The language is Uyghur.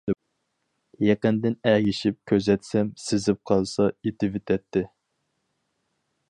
يېقىندىن ئەگىشىپ كۆزەتسەم، سېزىپ قالسا ئېتىۋېتەتتى.